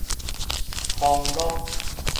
康樂